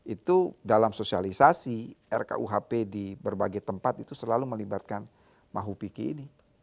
itu dalam sosialisasi rkuhp di berbagai tempat itu selalu melibatkan mahupiki ini